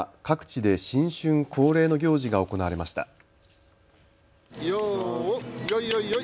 各地で新春恒例の行事が行われました。